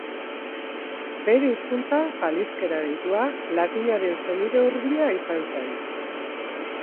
Bere hizkuntza, faliskera deitua, latinaren senide hurbila izan zen.